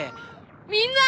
みんな！